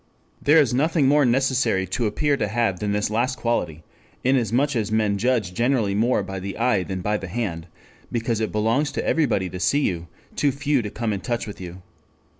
There is nothing more necessary to appear to have than this last quality, inasmuch as men judge generally more by the eye than by the hand, because it belongs to everybody to see you, to few to come in touch with you.